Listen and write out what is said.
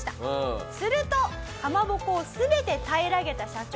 するとかまぼこを全て平らげた社長